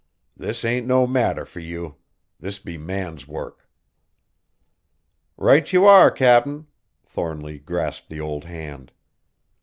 This ain't no matter fur ye! This be man's work!" "Right you are, Cap'n!" Thornly grasped the old hand.